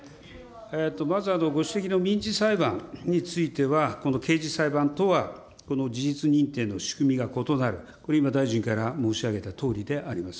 まずご指摘の民事裁判については、刑事裁判とは事実認定の仕組みが異なる、これ今、大臣から申し上げたとおりであります。